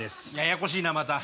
ややこしいなまた。